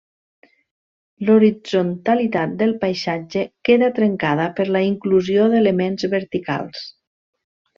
L'horitzontalitat del paisatge queda trencada per la inclusió d'elements verticals.